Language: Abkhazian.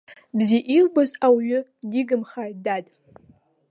Бзиа илбоз ауаҩы дигымхааит, дад!